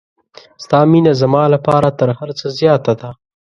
ستا مینه زما لپاره تر هر څه زیاته ده.